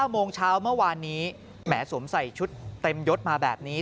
โมงเช้าเมื่อวานนี้แหมสวมใส่ชุดเต็มยดมาแบบนี้